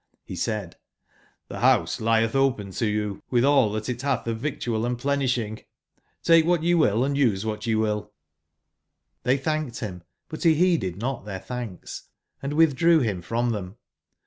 *'j^r)e said: 'Xhe house lieth open to you with all that it hath of victual and plen ishing: take what ye will, and use what ye wiir'j^ IThey thanked him ; but he heeded not their thanks, and withdrew him from them.